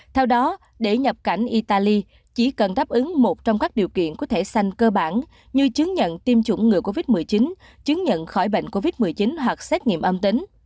theo đó để nhập cảnh italy chỉ cần đáp ứng một trong các điều kiện có thể xanh cơ bản như chứng nhận tiêm chủng ngừa covid một mươi chín chứng nhận khỏi bệnh covid một mươi chín hoặc xét nghiệm âm tính